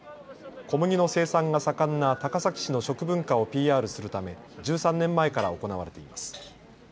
小麦の生産が盛んな高崎市の食文化をＰＲするため１３年前から行われています。